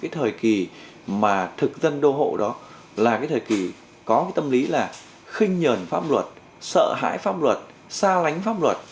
thời kỳ mà thực dân đô hộ đó là cái thời kỳ có tâm lý là khinh nhờn pháp luật sợ hãi pháp luật xa lánh pháp luật